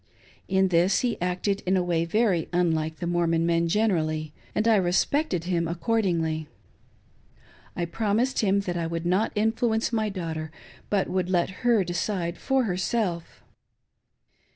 In this he acted in a way very unlike the Mormon men generally, and I respected him accordingly. I promised him that I would not influence my daughter, but would let her decide for herself.